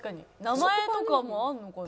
名前とかもあるのかな？